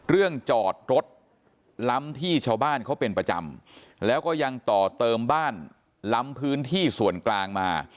เรื่องจอดรถล้ำที่ชาวบ้านเขาเป็นประจำแล้วก็ยังต่อเติมบ้านล้ำพื้นที่ส่วนกลางมา